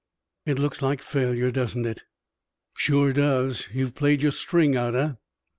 "It looks like failure, doesn't it?" "Sure does! You've played your string out, eh?"